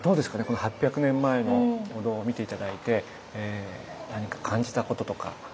この８００年前のお堂を見て頂いて何か感じたこととか。